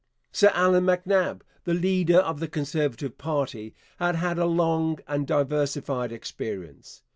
Sir Allan MacNab, the leader of the Conservative party, had had a long and diversified experience.